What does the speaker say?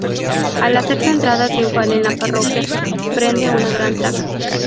Al hacer su entrada triunfal en la parroquia se prende una gran traca.